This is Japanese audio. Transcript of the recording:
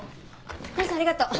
クニさんありがとう。